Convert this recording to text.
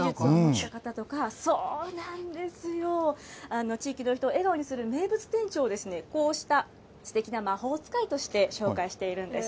そうなんですよ、地域の人を笑顔にする名物店長ですね、こうしたすてきな魔法使いとして紹介しているんです。